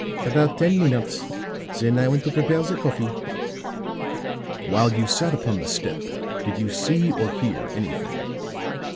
"About ten minutes. Then I went to prepare the coffee." "While you sat upon the step did you see or hear anything?"